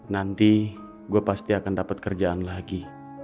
nanti gue pasti akan dapat kerjaan lagi